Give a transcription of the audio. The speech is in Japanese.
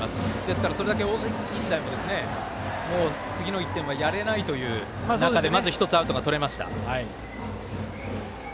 それだけ大垣日大ももう次の１点はやれないという中でまず１つ、アウトがとれました。